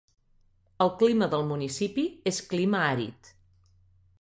El clima del municipi és clima àrid.